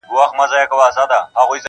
• هر څوک له بل څخه لرې او جلا ښکاري..